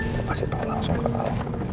gue kasih tau langsung ke al